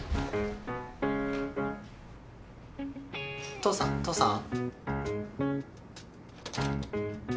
父さん父さん？